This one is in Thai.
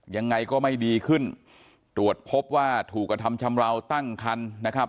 ยังไงก็ไม่ดีขึ้นตรวจพบว่าถูกกระทำชำราวตั้งคันนะครับ